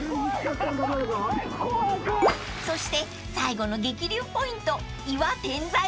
［そして最後の激流ポイント］